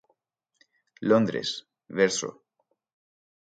Londres: Verso.